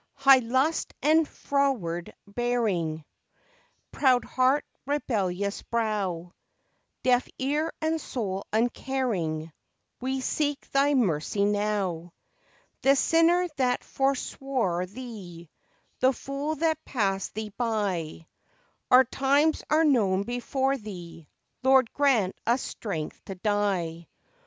High lust and froward bearing, Proud heart, rebellious brow Deaf ear and soul uncaring, We seek Thy mercy now: The sinner that forswore Thee, The fool that passed Thee by, Our times are known before Thee Lord, grant us strength to die!